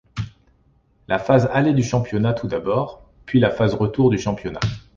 La phase aller du championnat tout d'abord, puis la phase retour du championnat.